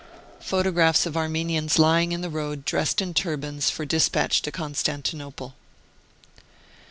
PHOTOGRAPHS OF ARMENIANS lying in the road, dressed in turbans, for despatch to Constantinople.